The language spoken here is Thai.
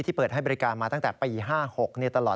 เปิดให้บริการมาตั้งแต่ปี๕๖ตลอด